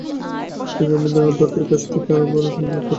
তিনি অমরেন্দ্রনাথ দত্তের কাছ থেকে আরো ভাল তালিম লাভ করেন।